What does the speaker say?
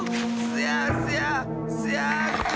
すやすや！